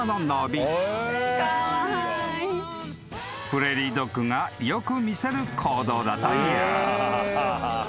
［プレーリードッグがよく見せる行動だという］